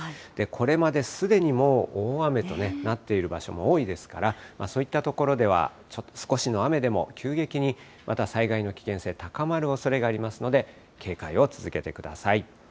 これまですでにもう大雨となっている場所も多いですから、そういった所では、少しの雨でも急激にまた災害の危険性高まるおそれがありますので、警戒を続けてください。